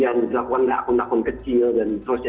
jangan dibencian dilakukan akun akun kecil dan sebagainya